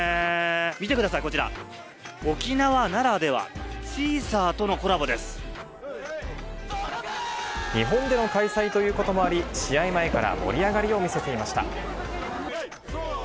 見てください、こちら、沖縄ならでは、日本での開催ということもあり、試合前から盛り上がりを見せていました。